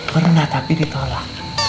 pernah tapi ditolak